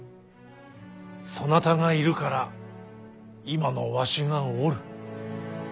そなたがいるから今のわしがおる。